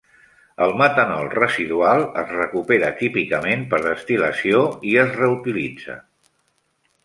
El metanol residual es recupera típicament per destil·lació i es reutilitza.